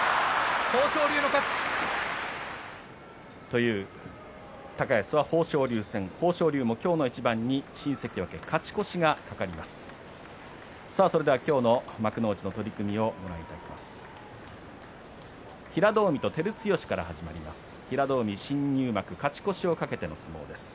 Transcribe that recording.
という高安は豊昇龍戦豊昇龍も今日の一番に新関脇勝ち越しが懸かります。